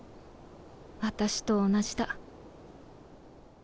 私と同じだ。